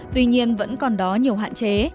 tuy nhiên vẫn còn đó nhiều hạn chế